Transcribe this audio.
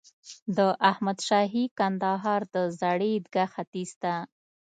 د احمد شاهي کندهار د زړې عیدګاه ختیځ ته.